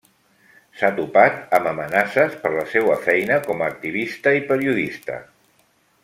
S'ha topat amb amenaces per la seua feina com a activista i periodista.